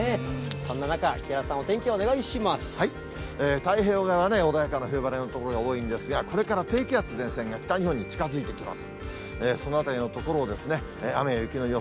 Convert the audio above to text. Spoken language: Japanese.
そんな中、木原さん、お天気お願太平洋側ね、穏やかな冬晴れの所が多いんですが、これから低気圧、前線が北日本に近づいてきます。